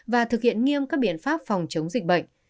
và thực hiện nghiêm các biện pháp phòng chống dịch bệnh